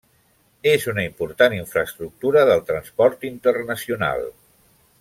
És una important infraestructura del transport internacional.